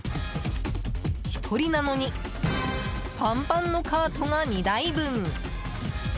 １人なのにパンパンのカートが２台分。